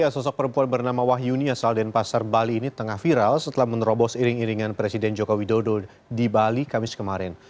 sosok perempuan bernama wahyuni asal denpasar bali ini tengah viral setelah menerobos iring iringan presiden joko widodo di bali kamis kemarin